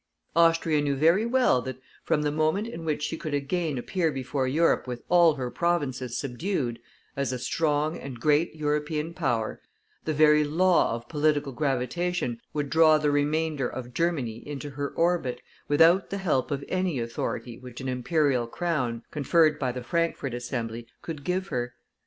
Austria knew very well that from the moment in which she could again appear before Europe with all her provinces subdued, as a strong and great European power, the very law of political gravitation would draw the remainder of Germany into her orbit, without the help of any authority which an Imperial crown, conferred by the Frankfort Assembly, could give her.